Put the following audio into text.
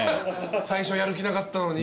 最初やる気なかったのに。